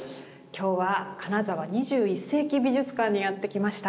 今日は金沢２１世紀美術館にやって来ました。